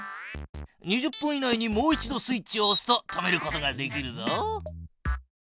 ２０分以内にもう一度スイッチをおすと止めることができるぞ。